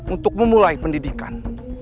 untuk memulai pendidikan